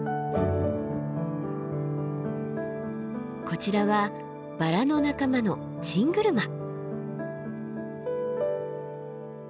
こちらはバラの仲間のチングルマ。